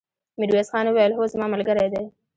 ميرويس خان وويل: هو، زما ملګری دی!